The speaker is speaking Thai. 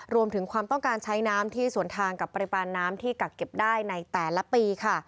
ความต้องการใช้น้ำที่สวนทางกับปริมาณน้ำที่กักเก็บได้ในแต่ละปีค่ะ